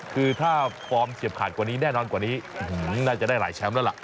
คือถ้าฟอร์มเฉียบขาดกว่านี้แน่นอนกว่านี้น่าจะได้หลายแชมป์แล้วล่ะ